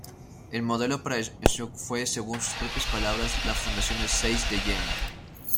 El modelo para Schunk fue, según sus propias palabras, la fundación Zeiss de Jena.